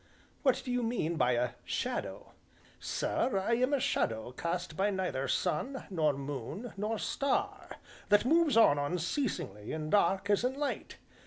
"What do you mean by 'a shadow'?" "Sir, I am a shadow cast by neither sun, nor moon, nor star, that moves on unceasingly in dark as in light.